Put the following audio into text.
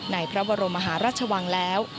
ในพระบรมมหาราชวังแล้ว